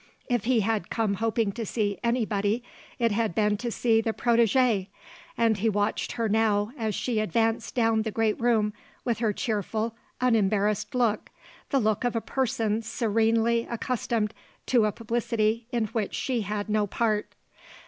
If he had come hoping to see anybody, it had been to see the protégée, and he watched her now as she advanced down the great room with her cheerful, unembarrassed look, the look of a person serenely accustomed to a publicity in which she had no part.